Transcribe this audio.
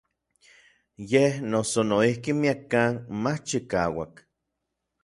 Yej noso noijki miekkan mach chikauak.